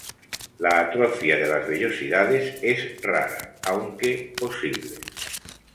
La atrofia de las vellosidades, es rara, aunque posible.